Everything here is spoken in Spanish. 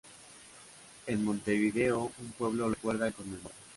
En Montevideo, un pueblo lo recuerda y conmemora.